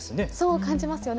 そう感じますよね。